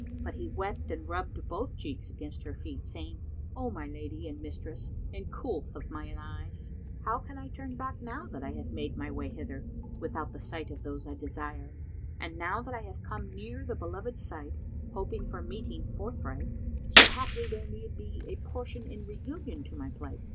But he wept and rubbed both cheeks against her feet, saying, "O my lady and mistress and coolth of mine eyes, how can I turn back now that I have made my way hither, without the sight of those I desire, and now that I have come near the beloved's site, hoping for meeting forthright, so haply there may be a portion in reunion to my plight?"